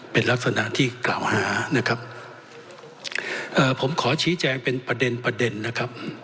เป็นลักษณะที่กล่าวหานะครับเอ่อผมขอชี้แจงเป็นประเด็นประเด็นนะครับ